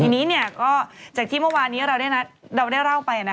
ทีนี้ก็จากที่เมื่อวานี้เราได้เล่าไป